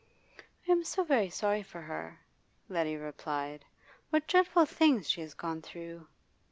'I am so very sorry for her,' Letty replied. 'What dreadful things she has gone through!